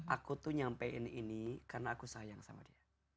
aku tuh nyampein ini karena aku sayang sama dia